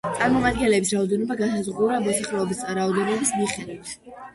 წარმომადგენლების რაოდენობა განსაზღვრულია მოსახლეობის რაოდენობის მიხედვით.